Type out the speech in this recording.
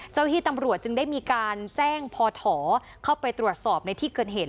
เจ้าที่ตำรวจจึงได้มีการแจ้งพอถอเข้าไปตรวจสอบในที่เกิดเหตุ